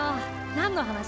何の話？